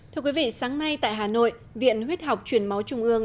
thưa quý vị sáng nay tại hà nội viện huyết học truyền máu trung ương